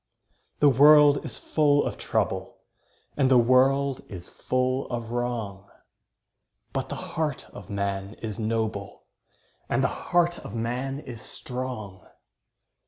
The world is full of trouble, And the world is full of wrong, But the heart of man is noble, And the heart of man is strong!